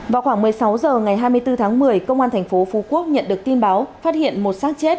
vào khoảng một mươi sáu giờ ngày hai mươi bốn tháng một mươi công an tp phú quốc nhận được tin báo phát hiện một sát chết